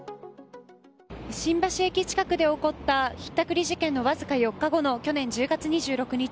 新橋駅近くで起こったひったくり事件のわずか４日後の去年１０月２６日。